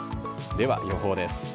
では、予報です。